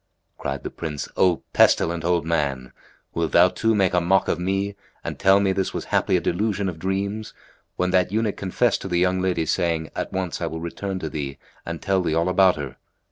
Cried the Prince, "O pestilent old man! wilt thou too make a mock of me and tell me this was haply a delusion of dreams, when that eunuch confessed to the young lady, saying, 'At once I will return to thee and tell thee all about her?'"